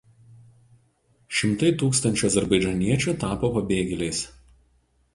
Šimtai tūkstančių azerbaidžaniečių tapo pabėgėliais.